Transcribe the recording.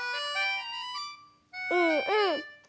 うんうん。